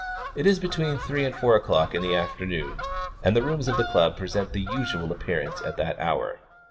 It is between three and four o'clock in the afternoon, and the rooms of the Club present the usual appearance at that hour.